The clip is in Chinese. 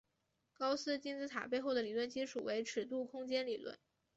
高斯金字塔背后的理论基础为尺度空间理论。